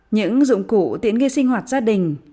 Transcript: những dụng cụ tiễn ghi sinh hoạt gia đình